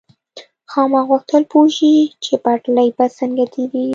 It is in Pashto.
خاما غوښتل پوه شي چې پټلۍ به څنګه تېرېږي.